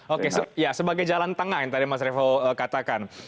oke ya sebagai jalan tengah yang tadi mas revo katakan